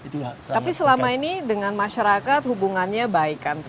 tapi selama ini dengan masyarakat hubungannya baik kan